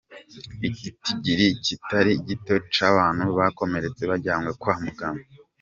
Igitigiri kitari gito c'abantu bakomeretse bajanywe kwa muganga.